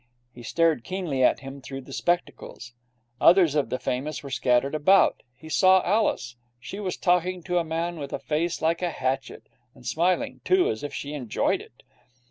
He stared keenly at him through the spectacles. Others of the famous were scattered about. He saw Alice. She was talking to a man with a face like a hatchet, and smiling, too, as if she enjoyed it.